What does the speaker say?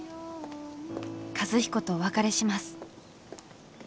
和彦とお別れします。